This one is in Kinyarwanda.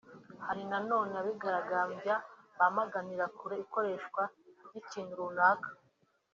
Hari na none abigaragambya bamaganira kure ikoreshwa ry’ikintu runaka